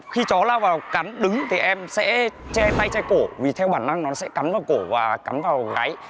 khi cháu lao vào cắn đứng thì em sẽ che tay che cổ vì theo bản năng nó sẽ cắn vào cổ và cắn vào gáy